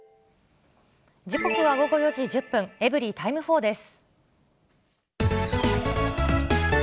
時刻は午後４時１０分、エブリィタイム４です。